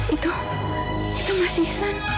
itu itu mas ihsan